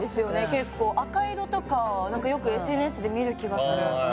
結構赤色とか何かよくＳＮＳで見る気がするああ